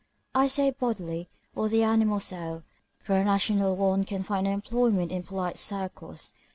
I say bodily, or the animal soul, for a rational one can find no employment in polite circles.